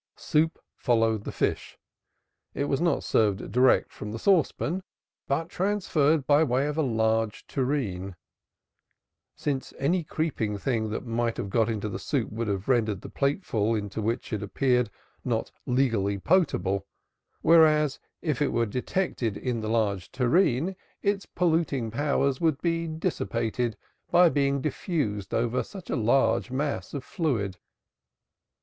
Soup followed the fish; it was not served direct from the saucepan but transferred by way of a large tureen; since any creeping thing that might have got into the soup would have rendered the plateful in which it appeared not legally potable, whereas if it were detected in the large tureen, its polluting powers would be dissipated by being diffused over such a large mass of fluid.